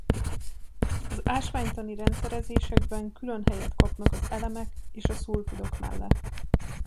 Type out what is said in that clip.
Az ásványtani rendszerezésekben külön helyet kapnak az elemek és a szulfidok mellett.